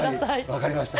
分かりました。